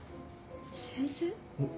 先生？